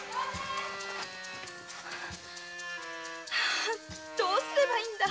あどうすればいいんだ